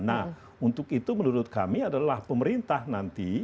nah untuk itu menurut kami adalah pemerintah nanti